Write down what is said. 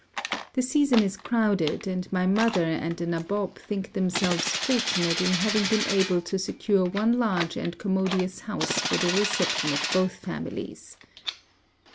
The season is crowded, and my mother and the nabob think themselves fortunate in having been able to secure one large and commodious house for the reception of both families.